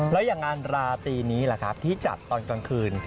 แล้วอย่างงานราตรีนี้แหละครับที่จัดตอนกลางคืน